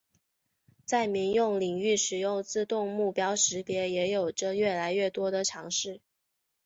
在民用领域使用自动目标识别也有着越来越多的尝试。